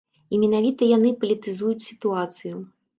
І менавіта яны палітызуюць сітуацыю.